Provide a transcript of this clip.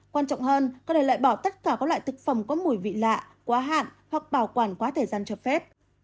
quan trọng hơn có thể loại bỏ tất cả các loại thực phẩm có mùi vị lạ quá hạn hoặc bảo quản quá thời gian cho phép